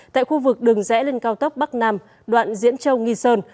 tại khu vực đường rẽ lên cao tốc bắc nam đoạn diễn châu nghi sơn